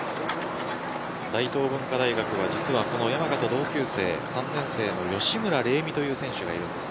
大東文化大学は山賀と同級生３年生の吉村玲美という選手がいます。